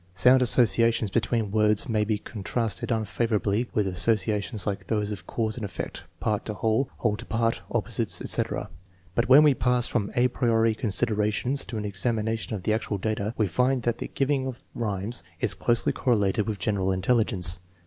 Sound associations between words may be contrasted unfavorably with associations like those of cause and effect, part to whole, whole to part, opposites, etc. But when we pass from a priori considerations to an examination of the actual data, we find that the giving of rhymes is closely correlated with general intelligence.